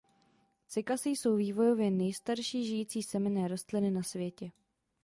Cykasy jsou vývojově nejstarší žijící semenné rostliny na světě.